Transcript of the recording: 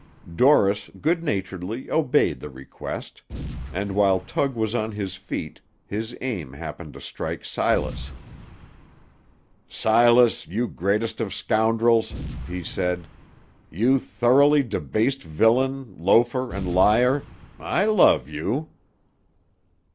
Dorris good naturedly obeyed the request, and while Tug was on his feet, his aim happened to strike Silas. "Silas, you greatest of scoundrels," he said, "you thoroughly debased villain, loafer, and liar, I love you."